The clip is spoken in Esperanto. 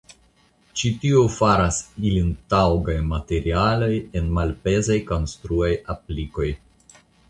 Ĉi tio faras ilin taŭgaj materialoj en malpezaj konstruaj aplikoj.